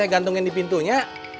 gantiin di pintunya